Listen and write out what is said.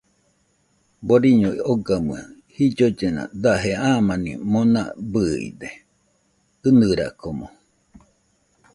Boriño ogamɨe jillollena daje amani mona bɨide, ɨnɨrakomo